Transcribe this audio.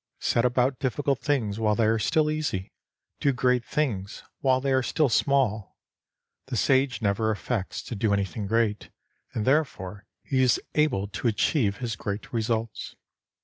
Set about difficult things while they are still easy ; do great things while they are still small. The Sage never affects to do anything great, and therefore he is able to achieve his great results.